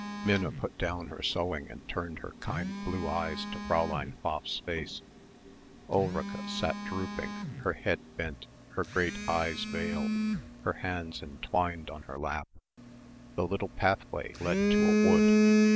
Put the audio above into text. Minna put down her sewing and turned her kind blue eyes to Fräulein Pfaff's face. Ulrica sat drooping, her head bent, her great eyes veiled, her hands entwined on her lap.... The little pathway led to a wood.